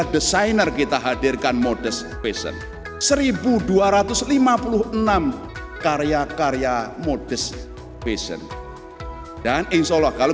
satu ratus enam puluh tiga designer kita hadirkan modus fashion seribu dua ratus lima puluh enam karya karya modus fashion dan insyaallah kalau